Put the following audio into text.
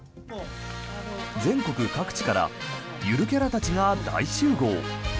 全国各地からゆるキャラたちが大集合。